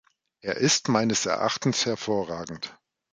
Er ist meines Erachtens hervorragend.